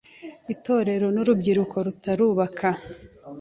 Itorero ry’urubyiruko rutarubaka;